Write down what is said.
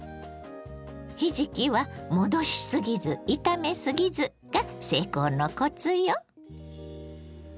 ひじきは戻しすぎず炒めすぎずが成功のコツよ！